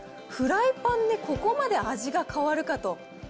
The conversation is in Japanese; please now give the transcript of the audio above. フライパンでここまで味が変わるかと。